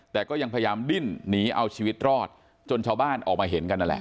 แต่ก็ยังพยายามดิ้นหนีเอาชีวิตรอดจนชาวบ้านออกมาเห็นกันนั่นแหละ